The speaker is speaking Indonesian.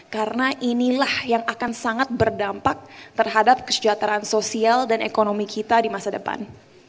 karena inilah yang akan sangat berdampak terhadap kesejahteraan sosial dan ekonomi kita di masa depan